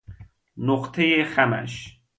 نقطه خمش